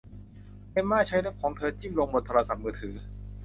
เอ็มม่าใช้เล็บของเธอจิ้มลงบนโทรศัพท์มือถือ